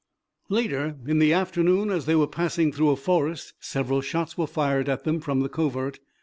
Later in the afternoon, as they were passing through a forest several shots were fired at them from the covert.